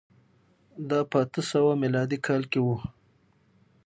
دا په اتو سوه میلادي کال کې و